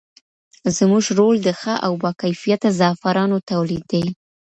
زموږ رول د ښه او باکیفیته زعفرانو تولید دی.